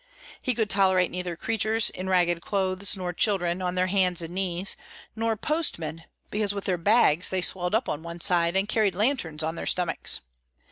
He could tolerate neither creatures in ragged clothes, nor children on their hands and knees, nor postmen, because, with their bags, they swelled up on one side, and carried lanterns on their stomachs.